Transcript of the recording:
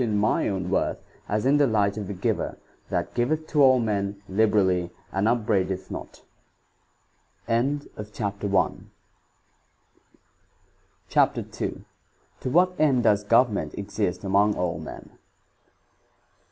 Ii] DE MONARCHIA 5 my own worth as in the light of the Giver " that giveth to all men liberally, and upbraideth not." * CHAPTER II 7"f what end does government exist among all men